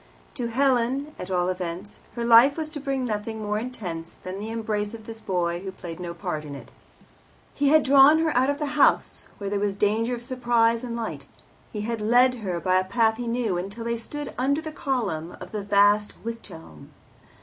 To Helen, at all events, her life was to bring nothing more intense than the embrace of this boy who played no part in it. He had drawn her out of the house, where there was danger of surprise and light; he had led her by a path he knew, until they stood under the column of the vast wych elm.